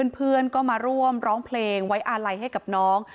เพื่อนก็มาร่วมร้องเพลงไว้อาลัยให้กับน้อง